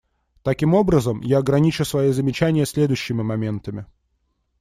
Таким образом, я ограничу свои замечания следующими моментами.